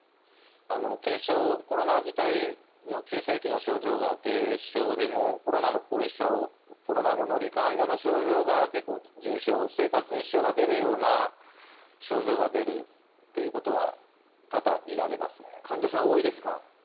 コロナ自体の急性期の症状が軽症でもコロナの後遺症コロナ後のり患の症状が結構、重症生活に支障が出るような症状が出るということは患者さん多いですか？